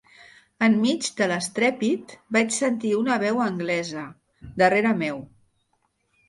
Enmig de l'estrèpit vaig sentir una veu anglesa, darrere meu